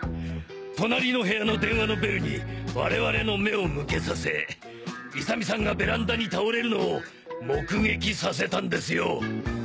隣の部屋の電話のベルに我々の目を向けさせ勇美さんがベランダに倒れるのを目撃させたんですよ。